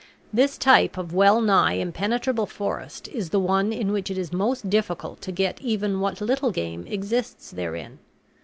This type of well nigh impenetrable forest is the one in which it is most difficult to get even what little game exists therein.